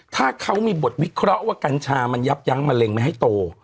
ถ้าเขามีบทวิเคราะห์ว่ากัญชามันยับยั้งมะเร็งไม่ให้โต